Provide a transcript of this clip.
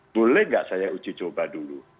boleh nggak saya uji coba dulu